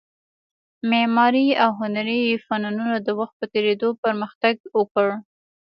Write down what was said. معماري او هنري فنونو د وخت په تېرېدو پرمختګ وکړ